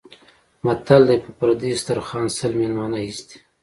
متل دی: په پردي دسترخوان سل مېلمانه هېڅ دي.